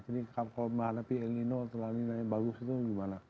jadi kalau menghadapi el nino atau lain lain yang bagus itu gimana